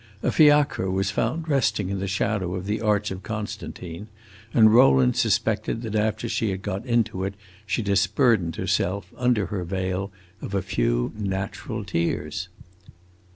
A fiacre was found resting in the shadow of the Arch of Constantine, and Rowland suspected that after she had got into it she disburdened herself, under her veil, of a few natural tears.